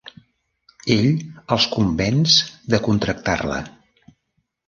Ell els convenç de contractar-la.